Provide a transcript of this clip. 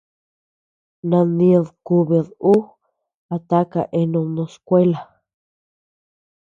Nandid kubid ú a taka eanud no skuela.